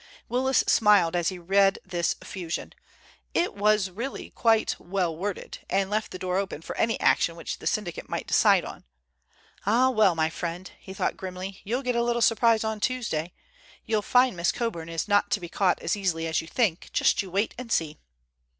Willis smiled as he read this effusion. It was really quite well worded, and left the door open for any action which the syndicate might decide on. "Ah, well, my friend," he thought grimly, "you'll get a little surprise on Tuesday. You'll find Miss Coburn is not to be caught as easily as you think. Just you wait and see."